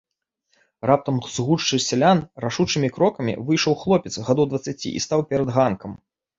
Раптам з гушчы сялян рашучымі крокамі выйшаў хлопец гадоў дваццаці і стаў перад ганкам.